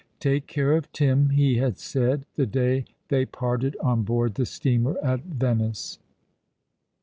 " Take care of Tim,'* he had said, the day they parted on board the steamer at Venice.